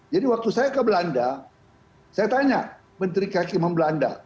jadi waktu saya ke belanda saya tanya menteri kaki membelanda